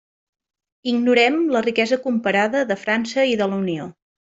Ignorem la riquesa comparada de França i de la Unió.